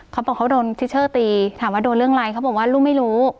เขาบอกเขาโดนทิชเชอร์ตีถามว่าโดนเรื่องอะไรเขาบอกว่าลูกไม่รู้